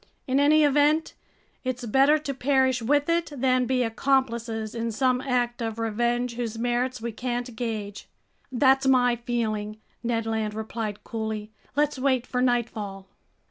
In any event, it's better to perish with it than be accomplices in some act of revenge whose merits we can't gauge." "That's my feeling," Ned Land replied coolly. "Let's wait for nightfall."